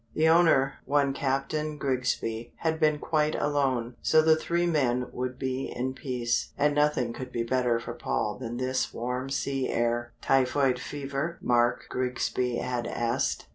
The owner, one Captain Grigsby, had been quite alone, so the three men would be in peace, and nothing could be better for Paul than this warm sea air. "Typhoid fever?" Mark Grigsby had asked.